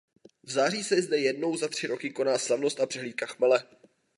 V září se zde jednou za tři roky koná slavnost a přehlídka chmele.